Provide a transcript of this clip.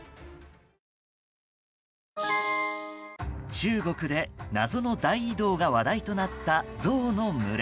中国で謎の大移動が話題となったゾウの群れ。